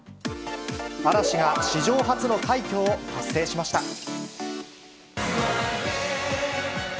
嵐が史上初の快挙を達成しました。